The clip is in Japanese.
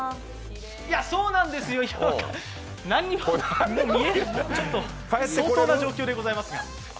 そうなんですよ、今何も見えない相当な状況でございますね。